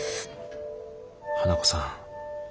花子さん